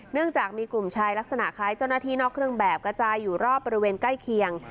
เนื่องจากมีกลุ่มชายลักษณะคล้ายเจ้าหน้าที่นอกเครื่องแบบกระจายอยู่รอบบริเวณใกล้เคียง